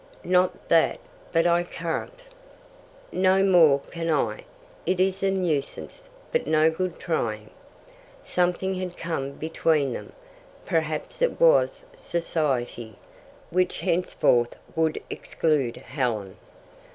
"Not that, but I can't." "No more can I. It is a nuisance, but no good trying." Something had come between them. Perhaps it was Society, which henceforward would exclude Helen.